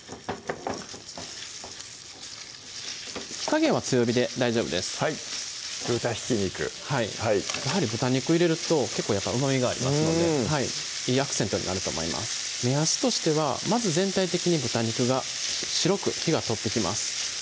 火加減は強火で大丈夫ですはい豚ひき肉やはり豚肉入れると結構うまみがありますのでいいアクセントになると思います目安としてはまず全体的に豚肉が白く火が通ってきます